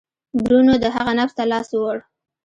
برونو د هغه نبض ته لاس ووړ.